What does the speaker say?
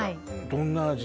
どんな味？